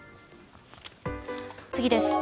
次です。